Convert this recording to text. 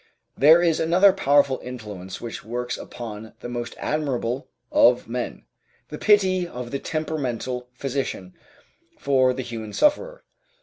There is another powerful influence which works upon the most admirable of men the pity of the temperamental physician for the human sufferer.